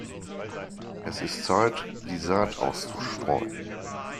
Es ist Zeit, die Saat auszustreuen.